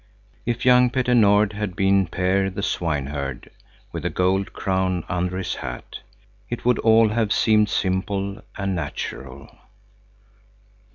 If young Petter Nord had been Per, the Swineherd, with a gold crown under his hat, it would all have seemed simple and natural.